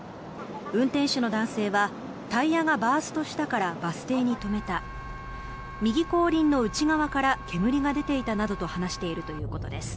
運転手の男性はタイヤがバーストしたからバス停に止めた右後輪の内側から煙が出ていたなどと話しているということです。